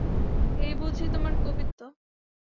এই বুঝি তোমার কবিত্ব!